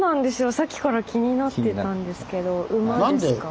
さっきから気になってたんですけど馬ですか？